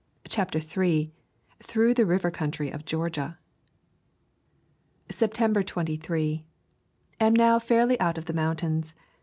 CHAPTER III THROUGH THE RIVER COUNTRY OF GEORGIA EPTEMBER 23. Am now fairly out of S the mountains.